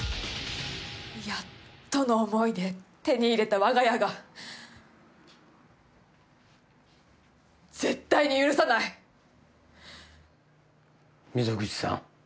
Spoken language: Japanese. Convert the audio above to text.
やっとの思いで手に入れた我が家が絶対に許さない溝口さん